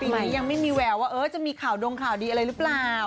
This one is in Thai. นี้ยังไม่มีแววว่าจะมีข่าวดงข่าวดีอะไรหรือเปล่า